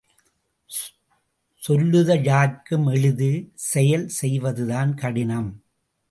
சொல்லுதல் யார்க்கும் எளிது செயல் செய்வதுதான் கடினம்.